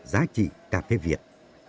giá trị cà phê việt